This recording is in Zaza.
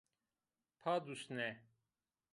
Padusne!